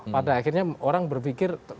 pada akhirnya orang berpikir